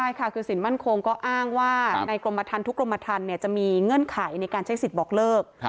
ใช่ค่ะคือสินมั่นคงก็อ้างว่าในกรมทันทุกกรมทันจะมีเงื่อนไขในการใช้สิทธิ์บอกเลิก